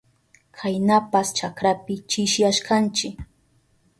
Kaynapas chakrapi chishiyashkanchi.